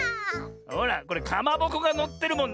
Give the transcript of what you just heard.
ほらこれかまぼこがのってるもんね。